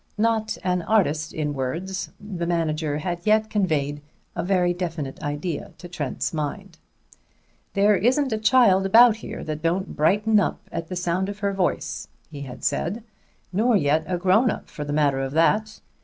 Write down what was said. Not an artist in words, the manager had yet conveyed a very definite idea to Trent's mind. "There isn't a child about here that don't brighten up at the sound of her voice," he had said, "nor yet a grown up, for the matter of that.